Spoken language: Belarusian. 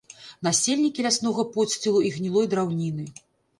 Насельнікі ляснога подсцілу і гнілой драўніны.